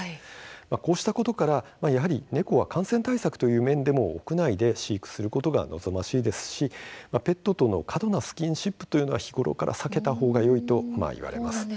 こうしたことからやはり猫は感染対策という面でも屋内で飼育することが望ましいですしペットとの過度なスキンシップというのは避けた方がいいと言われます。